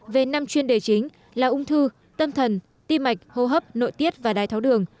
về năm chuyên đề chính là ung thư tâm thần tim mạch hô hấp nội tiết và đai tháo đường